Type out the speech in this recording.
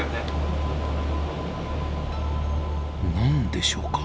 何でしょうか。